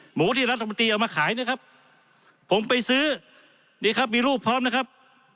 หมูที่รัฐมนตรีเอามาขายนะครับผมไปซื้อนี่ครับมีรูปพร้อมนะครับ